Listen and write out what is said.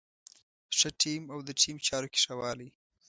ښه ټيم او د ټيم چارو کې ښه والی.